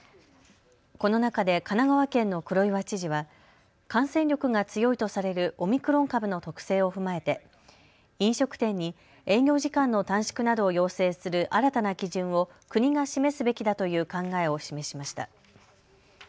この中で神奈川県の黒岩知事は感染力が強いとされるオミクロン株の特性を踏まえて飲食店に営業時間の短縮などを要請する新たな基準を国が示すべきだという考えを示しました。